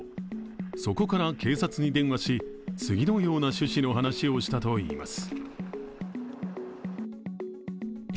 そこから警察に電話し、次のような趣旨の話をしたといいます。